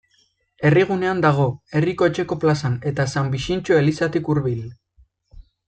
Herrigunean dago, Herriko Etxeko plazan, eta San Bixintxo elizatik hurbil.